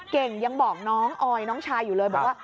เก่งยังบอกน้องออยน้องชายอยู่เลยบอกว่า